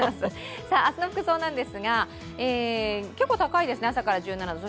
明日の服装なんですが、結構高いですね、朝から１７度。